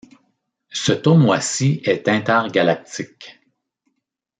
Ce tournoi-ci est inter-galactique.